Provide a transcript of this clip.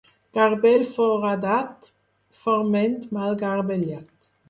Garbell foradat, forment mal garbellat.